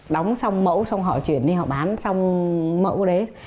đóng xong mẫu xong họ chuyển đi họ bán xong mẫu đấy